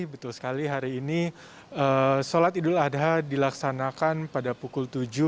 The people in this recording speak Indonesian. betul sekali hari ini sholat idul adha dilaksanakan pada pukul tujuh